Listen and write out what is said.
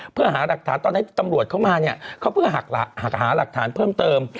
เพื่อหาหลักฐานตอนนั้นตำรวจเข้ามาเนี่ยเขาเพื่อหาหลักฐานเพิ่มเติม